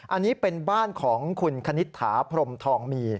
อันนี้เป็นบ้านของคุณคณิตถาพรมทองมี